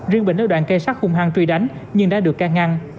riêng bình ở đoạn cây sắt hung hăng truy đánh nhưng đã được ca ngăn